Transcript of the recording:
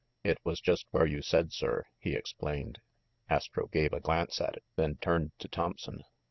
"It was just where you said, sir," he explained. Astro gave a glance at it, then turned to Thompson.